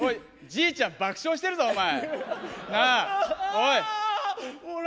じいちゃん爆笑してるぞ、おい。